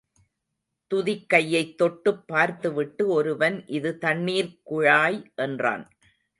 துதிக்கையைத் தொட்டுப் பார்த்து விட்டு ஒருவன், இது தண்ணிர்க் குழாய் என்றான்.